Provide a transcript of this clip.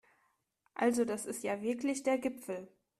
Also das ist ja wirklich der Gipfel